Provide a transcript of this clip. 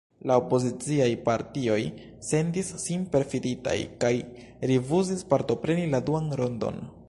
La opoziciaj partioj sentis sin perfiditaj kaj rifuzis partopreni la duan rondon.